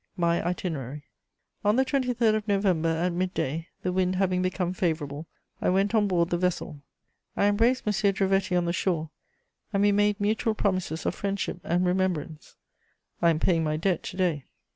MY ITINERARY. "On the 23rd of November, at midday, the wind having become favourable, I went on board the vessel. I embraced M. Drovetti on the shore, and we made mutual promises of friendship and remembrance: I am paying my debt to day.